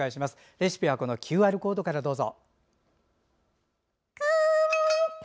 レシピはＱＲコードからどうぞ。